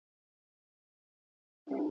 پټه خزانه د ملکیار شعر خوندي کړی دی.